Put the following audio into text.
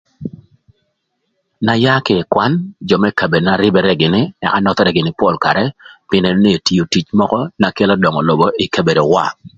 Na yaa kï ï kwan, jö më kabedona rïbërë gïnï ëka nöthërë gïnï pol karë pï nënö nï etio tic mökö na kelo döngö lobo ï kabedowa.